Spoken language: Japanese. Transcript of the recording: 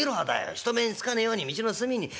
人目につかねえように道の隅に。